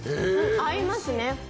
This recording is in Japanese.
合いますね。